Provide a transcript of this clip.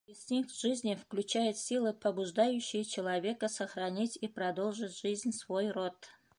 Инстинкт жизни включает силы, побуждающие человека сохранить и продолжить жизнь, свой род.